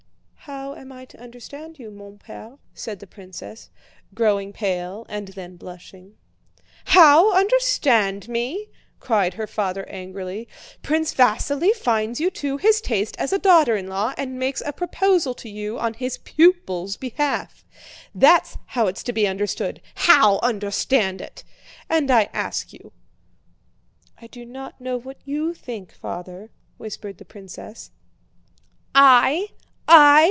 "How am I to understand you, mon père?" said the princess, growing pale and then blushing. "How understand me!" cried her father angrily. "Prince Vasíli finds you to his taste as a daughter in law and makes a proposal to you on his pupil's behalf. That's how it's to be understood! 'How understand it'!... And I ask you!" "I do not know what you think, Father," whispered the princess. "I? I?